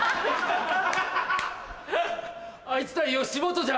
あいつら吉本じゃ。